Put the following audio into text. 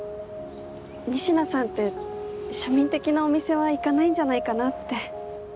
仁科さんって庶民的なお店は行かないんじゃないかなって。